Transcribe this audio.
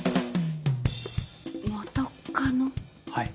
はい。